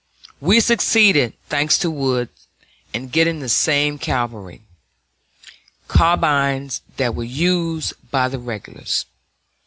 We succeeded, thanks to Wood, in getting the same cavalry carbines that were used by the regulars.